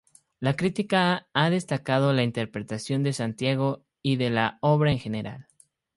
La crítica ha destacado la interpretación de Santiago y de la obra en general.